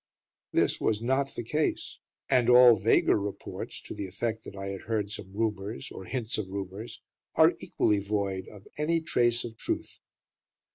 This was not the case; and all vaguer reports to the effect that I had heard some rumours or hints of rumours are equally void of any trace of truth.